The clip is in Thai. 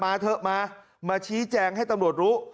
เถอะมามาชี้แจงให้ตำรวจรู้